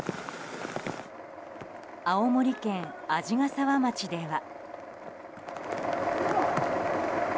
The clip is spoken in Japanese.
青森県鰺ヶ沢町では。